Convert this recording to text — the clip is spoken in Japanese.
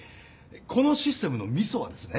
このシステムのミソはですね